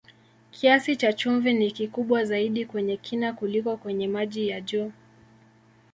Kiasi cha chumvi ni kikubwa zaidi kwenye kina kuliko kwenye maji ya juu.